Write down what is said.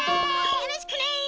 よろしくね！